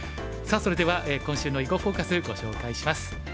さあそれでは今週の「囲碁フォーカス」ご紹介します。